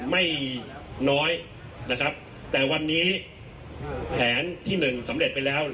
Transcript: ไม่น้อยนะครับแต่วันนี้แผนที่๑สำเร็จไปแล้ว